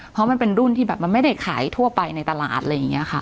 เพราะมันเป็นรุ่นที่แบบมันไม่ได้ขายทั่วไปในตลาดอะไรอย่างนี้ค่ะ